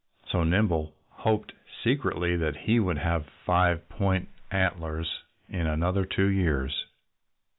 So Nimble hoped, secretly, that he would have five point antlers in another two years.